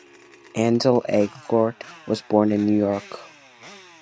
Ansel Elgort was born in New York.